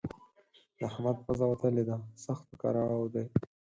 د احمد پزه وتلې ده؛ سخت په کړاو دی.